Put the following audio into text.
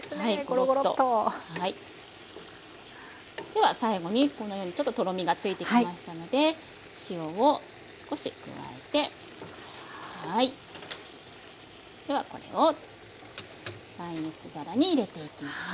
では最後にこのようにちょっととろみがついてきましたのでではこれを耐熱皿に入れていきます。